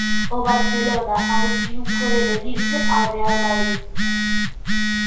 O Barcelona, a un triunfo de medirse ao Real Madrid.